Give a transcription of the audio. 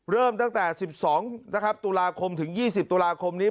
เริ่มตั้งแต่๑๒นะครับตุลาคมถึง๒๐ตุลาคมนี้